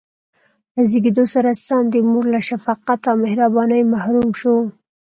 له زېږېدو سره سم د مور له شفقت او مهربانۍ محروم شو.